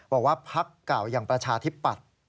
บอกว่าพักเก่าอย่างประชาธิปัตย์